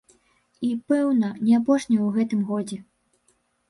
І, пэўна, не апошняй у гэтым годзе.